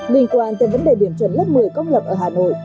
liên quan tới vấn đề điểm chuẩn lớp một mươi công lập ở hà nội